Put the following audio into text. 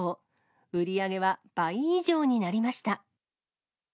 売り上げは倍以上になりました。